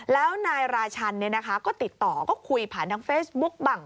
แล้วนายราชันก็ติดต่อก็คุยผ่านทางเฟซบุ๊กบัง